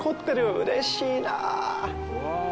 うれしいなぁ。